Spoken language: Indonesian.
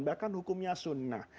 bahkan hukumnya sunnah